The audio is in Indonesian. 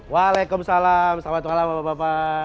waalaikumsalam selamat malam bapak bapak